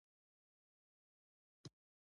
ای میاشتې نوې وریځ ته مې حلقه په غوږ.